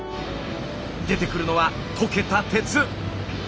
出てくるのは溶けた鉄。